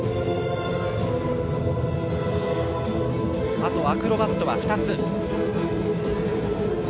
あとアクロバットは２つ。